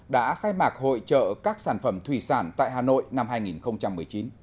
đã khai mạc hội trợ các sản phẩm thủy sản tại hà nội năm hai nghìn một mươi chín